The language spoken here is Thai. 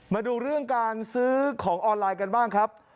มาดูเรื่องการซื้อของออนไลน์กันบ้างครับ